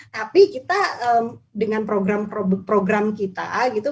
tapi kita dengan program program kita gitu